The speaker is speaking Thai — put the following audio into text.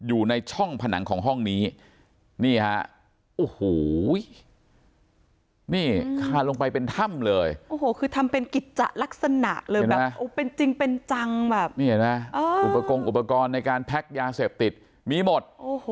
อุปกรณ์ในการแพ็คยาเสพติดมีหมด